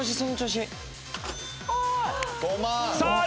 さあ